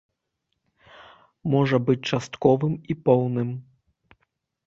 Можа быць частковым і поўным.